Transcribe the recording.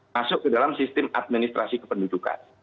masuk ke dalam sistem administrasi kependudukan